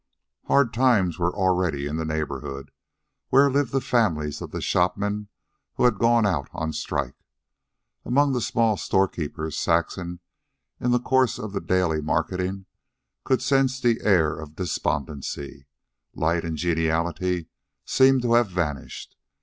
Hard times were already in the neighborhood, where lived the families of the shopmen who had gone out on strike. Among the small storekeepers, Saxon, in the course of the daily marketing, could sense the air of despondency. Light and geniality seemed to have vanished.